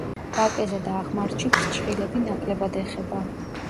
ვაკეზე და აღმართში ფრჩხილები ნაკლებად ეხება.